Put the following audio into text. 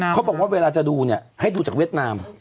เขาบอกว่าเวลาจะดูเนี่ยให้ดูจากเวียดนาม